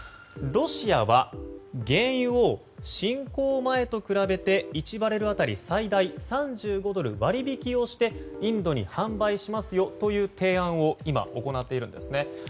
ロシアは原油を侵攻前と比べて１バレル当たり最大３５ドル割引をしてインドに販売しますよという提案を今、行っているんですね。